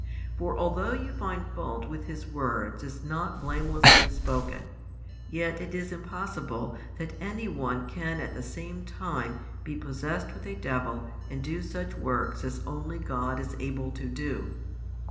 For although you find fault with His words as not blamelessly spoken, yet it is impossible that any one can at the same time be possessed with a devil and do such works as only God is able to do.